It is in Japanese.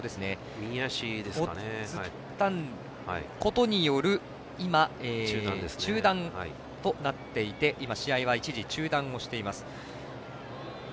右足をつったことによる中断となっていて今、一時、試合は中断しています。